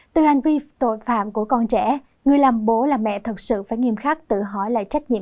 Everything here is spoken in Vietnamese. từ hành vi tội phạm của con trẻ người làm bố là mẹ thật sự phải nghiêm khắc tự hỏi lại trách nhiệm